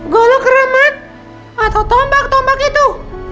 golok remet atau tombak tombak itu